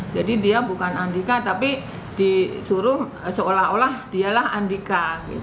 jadi dia bukan andika tapi disuruh seolah olah dialah andika